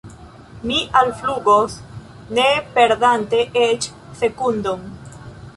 Mi alflugos, ne perdante eĉ sekundon.